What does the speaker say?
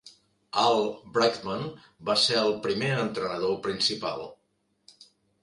Al Brightman va ser el primer entrenador principal.